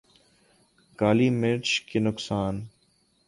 کالی مرچ کے نقصا